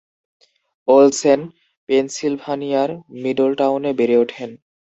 Olsen পেনসিলভানিয়ার মিডলটাউনে বেড়ে ওঠেন।